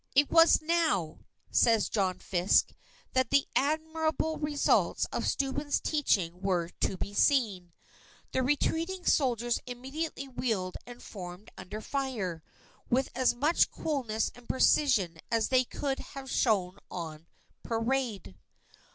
"It was now," says John Fiske, "that the admirable results of Steuben's teaching were to be seen. The retreating soldiers immediately wheeled and formed under fire, with as much coolness and precision as they could have shown on parade."